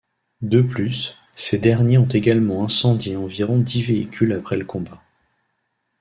De plus, ces derniers ont également incendié environ dix véhicules après le combat.